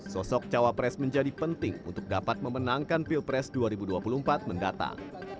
sosok cawa pres menjadi penting untuk dapat memenangkan pil pres dua ribu dua puluh empat mendatang